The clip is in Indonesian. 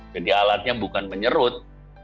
jadi alatnya bukan menyerut